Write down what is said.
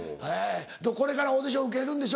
これからオーディション受けるんでしょ？